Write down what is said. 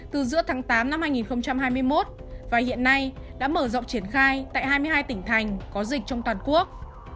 từ giữa tháng tám năm hai nghìn hai mươi một và hiện nay đã mở rộng triển khai tại hai mươi hai tỉnh thành có dịch trong toàn quốc